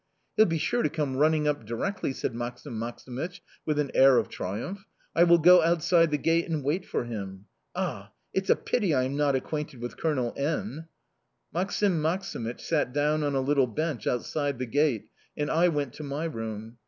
"He'll be sure to come running up directly!" said Maksim Maksimych, with an air of triumph. "I will go outside the gate and wait for him! Ah, it's a pity I am not acquainted with Colonel N !" Maksim Maksimych sat down on a little bench outside the gate, and I went to my room.